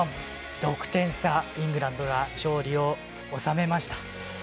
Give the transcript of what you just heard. ６点差、イングランドが勝利を収めました。